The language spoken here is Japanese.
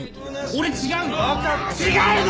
俺違うの。